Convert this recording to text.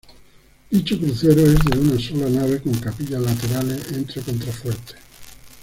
Dicho crucero es de una sola nave con capillas laterales entre contrafuertes.